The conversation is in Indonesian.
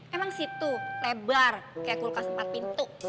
emang situ lebar kayak kulkas empat pintu